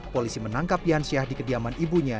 polisi menangkap yansyah di kediaman ibunya